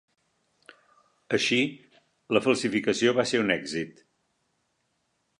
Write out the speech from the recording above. Així, la falsificació va ser un èxit.